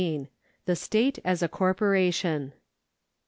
The State as a Corporation.